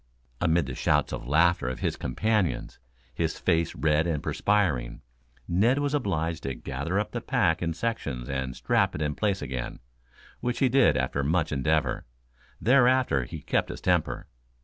Amid the shouts of laughter of his companions, his face red and perspiring, Ned was obliged to gather up the pack in sections and strap it in place again, which he did after much endeavor. Thereafter he kept his temper.